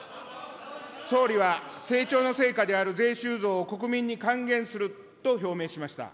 総理は成長の成果である税収増を国民に還元すると表明しました。